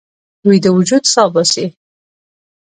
ویده وجود سا باسي